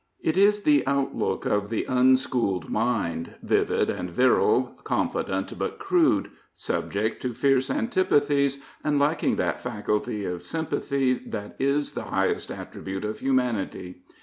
It is the outlook of the unschooled mind, vivid and virile, confident but crude, subject to fierce antipathies and lacking that faculty of sympathy that is the highest attribute of humanity.